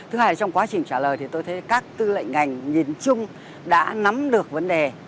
câu hỏi này trong quá trình trả lời thì tôi thấy các tư lệnh ngành nhìn chung đã nắm được vấn đề